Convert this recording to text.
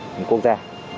của quốc gia